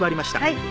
はい。